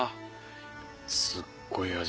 すっごい味